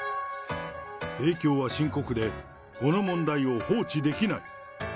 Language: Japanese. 影響は深刻で、この問題を放置できない。